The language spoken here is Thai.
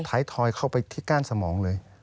ทอยเข้าไปที่ก้านสมองเลย